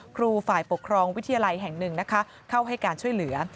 ครูฝ่ายปกครองวิทยาลัยแห่งหนึ่งนะคะเข้าให้การช่วยเหลือ